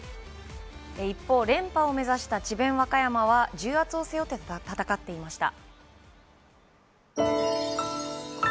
一方連覇を目指した智弁和歌山は、重圧を背負って戦っていました。